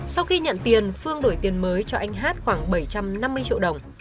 sau khi nhận tiền phương đổi tiền mới cho anh hát khoảng bảy trăm năm mươi triệu đồng